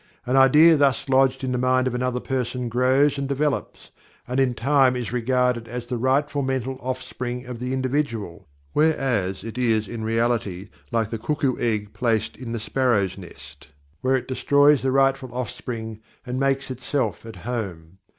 An idea thus lodged in the mind of another person grows and develops, and in time is regarded as the rightful mental offspring of the individual, whereas it is in reality like the cuckoo egg placed in the sparrows nest, where it destroys the rightful offspring and makes itself at home.